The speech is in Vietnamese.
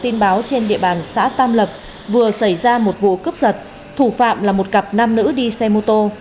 tin báo trên địa bàn xã tam lập vừa xảy ra một vụ cướp giật thủ phạm là một cặp nam nữ đi xe mô tô